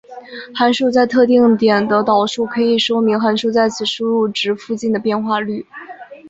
函数在特定点的导数可以说明函数在此输入值附近的变化率。